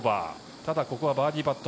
ただ、ここはバーディーパット。